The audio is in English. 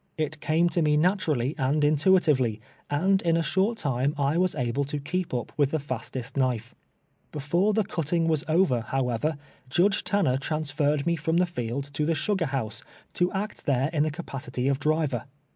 It came to me natural ly and intuitively, and in a short time I was able to kee}) up with the fastest knife, liefore the cutting "was over, however, Judge Tanner transferred me from the field to the sugar house, to act there in the ca pacity of driver.